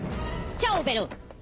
チャオベロ。